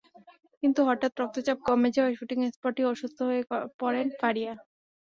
কিন্তু হঠাৎ রক্তচাপ কমে যাওয়ায় শুটিং স্পটেই অসুস্থ হয়ে পড়েন ফারিয়া।